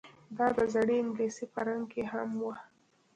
دا د زړې انګلیسي په رنګ کې هم وه